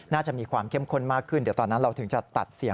น่าจะมีความเข้มข้นมากขึ้นเดี๋ยวตอนนั้นเราถึงจะตัดเสียง